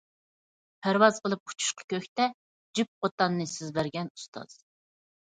پەرۋاز قىلىپ ئۇچۇشقا كۆكتە، جۈپ قوتاننى سىز بەرگەن ئۇستاز.